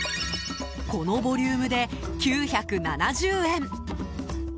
このボリュームで９７０円。